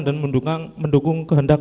dan mendukung kehendak